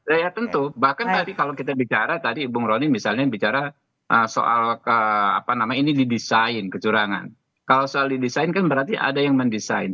iya tentu bahkan tadi kalau kita bicara tadi ibu jorning misalnya bicara soal di desain kecurangan kalau soal di desain kan berarti ada yang mendesain